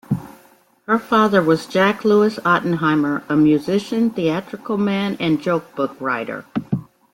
Her father was Jack Lewis Ottenheimer, a musician, theatrical man and joke book writer.